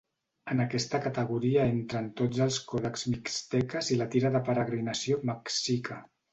En aquesta categoria entren tots els còdexs mixteques i la Tira de la Peregrinació mexica.